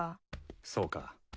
そうか。